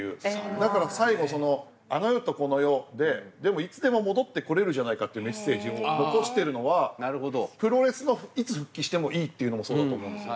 だから最後あの世とこの世ででもいつでも戻ってこれるじゃないかっていうメッセージを残しているのはプロレスのいつ復帰してもいいっていうのもそうだと思うんですよ。